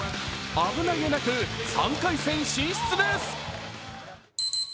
危なげなく３回戦進出です。